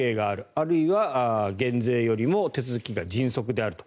あるいは減税よりも手続きが迅速であると。